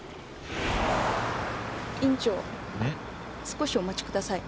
少しお待ちください。